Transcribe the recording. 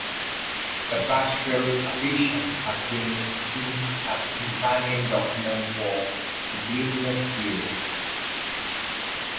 The "Pastorale Officium" has been seen as a companion document for "Sublimis Deus".